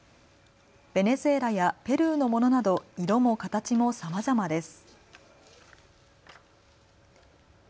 ベネズエラやペルーのものなど色も形もさまざまです。